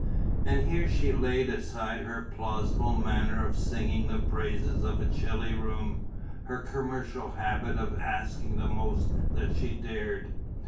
And here she laid aside her plausible manner of singing the praises of a chilly room, her commercial habit of asking the most that she dared.